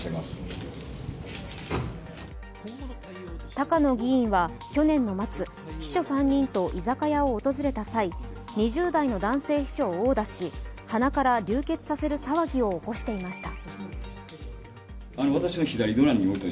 高野議員は去年の末、秘書３人と居酒屋を訪れた際、２０代の男性秘書を殴打し鼻から流血させる騒ぎを起こしていました。